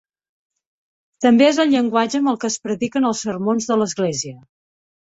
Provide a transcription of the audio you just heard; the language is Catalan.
També és el llenguatge amb el que es prediquen els sermons de l'església .